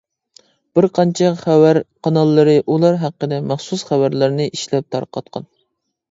بىر قانچە خەۋەر قاناللىرى ئۇلار ھەققىدە مەخسۇس خەۋەرلەرنى ئىشلەپ تارقاتقان.